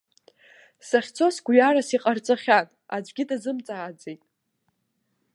Сахьцоз гәҩарас иҟарҵахьан, аӡәгьы дазымҵааӡеит.